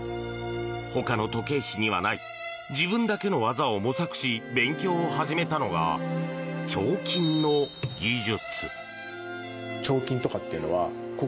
ほかの時計師にはない自分だけの技を模索し勉強を始めたのが彫金の技術。